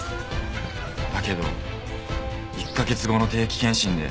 だけど１カ月後の定期健診で。